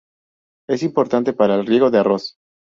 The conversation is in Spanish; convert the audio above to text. Es importante para el riego de arroz.